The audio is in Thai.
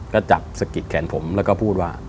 ก็จับสะกิดแขนผมแล้วก็พูดว่า